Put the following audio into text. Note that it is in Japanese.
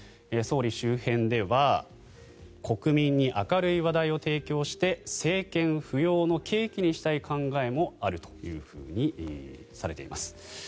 総理周辺では国民に明るい話題を提供して政権浮揚の契機にしたい考えもあるとされています。